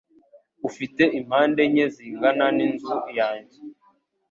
ufite impande enye zingana n’inzu yanjye